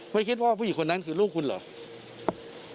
ไม่คิดว่าผู้หญิงคนนั้นคือลูกคุณเหรอ